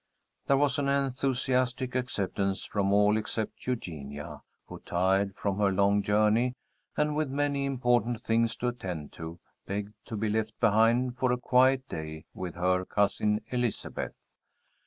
There was an enthusiastic acceptance from all except Eugenia, who, tired from her long journey and with many important things to attend to, begged to be left behind for a quiet day with her cousin Elizabeth.